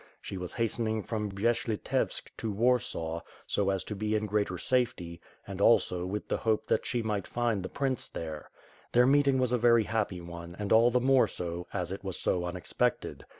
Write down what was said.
She was hastening from Bjesh Litevsk to AVarsaw, so as to be in greater safety, and also with the hope that she might find the prince there. Their meeting was a very happy one and all the more so as it was so unexpected.